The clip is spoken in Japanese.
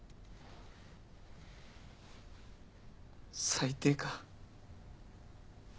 最低か。